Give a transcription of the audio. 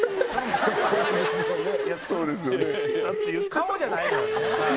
「顔じゃないのよね」